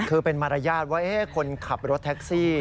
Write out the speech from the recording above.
คือเป็นมารยาทว่าคนขับรถแท็กซี่